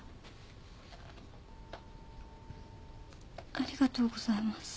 ありがとうございます。